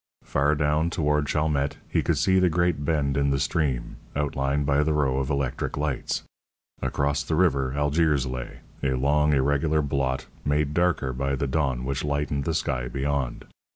Far down toward Chalmette he could see the great bend in the stream, outlined by the row of electric lights. Across the river Algiers lay, a long, irregular blot, made darker by the dawn which lightened the sky beyond.